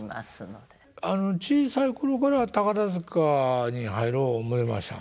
あの小さい頃から宝塚に入ろう思いましたん？